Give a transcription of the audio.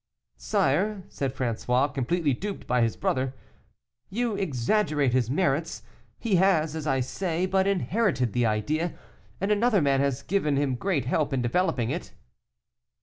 "Sire," said François, completely duped by his brother, "you exaggerate his merits. He has, as I say, but inherited the idea, and another man has given him great help in developing it."